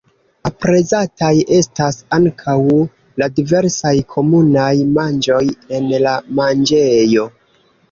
Aprezataj estas ankaŭ la diversaj komunaj manĝoj en la manĝejo.